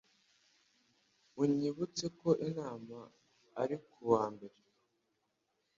Unyibutse ko inama ari kuwa mbere.